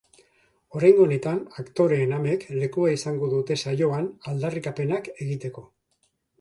Oraingo honetan, aktoreen amek lekua izango dute saioan aldarrikapenak egiteko.